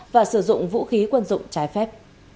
và sử dụng vũ khí quân dụng trái phép